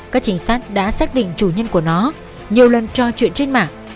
các trinh sát đã xác định chủ nhân của nó nhiều lần cho chuyện trên mạng